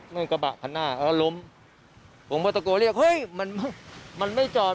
มันกระบะคันหน้าแล้วล้มผมก็ตะโกนเรียกเฮ้ยมันมันไม่จอด